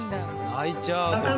泣いちゃう